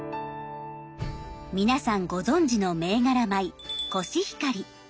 皆さんご存じの銘柄米コシヒカリ。